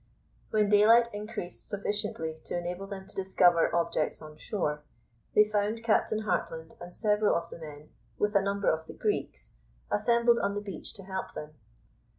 When daylight increased sufficiently to enable them to discover objects on shore, they found Captain Hartland and several of the men, with a number of the Greeks, assembled on the beach to help them.